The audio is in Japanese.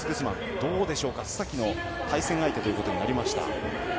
どうでしょうか、須崎の対戦相手となりました。